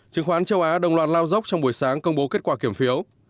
chứng khoán châu á đồng loạt lao dốc trong buổi sáng công bố kết quả kiểm phiếu